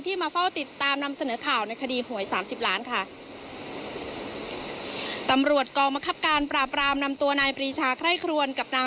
มาเฝ้าติดตามนำเสนอข่าวในคดีหวยสามสิบล้านค่ะตำรวจกองบังคับการปราบรามนำตัวนายปรีชาไคร่ครวนกับนาง